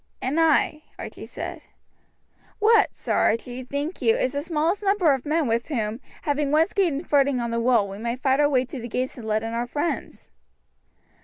"And I," Archie said. "What, Sir Archie, think you is the smallest number of men with whom, having once gained footing on the wall, we may fight our way to the gates and let in our friends."